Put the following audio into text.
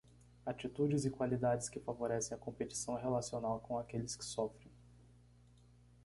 Atitudes e qualidades que favorecem a competição relacional com aqueles que sofrem.